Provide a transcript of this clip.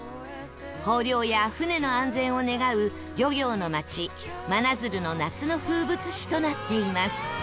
豊漁や船の安全を願う漁業の町真鶴の夏の風物詩となっています